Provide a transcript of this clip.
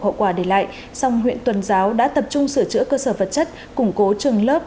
hậu quả để lại song huyện tuần giáo đã tập trung sửa chữa cơ sở vật chất củng cố trường lớp